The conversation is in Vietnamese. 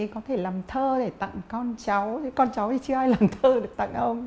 có thể làm thơ để tặng con cháu con cháu thì chưa ai làm thơ được tặng ông